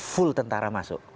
full tentara masuk